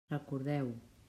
Recordeu-ho.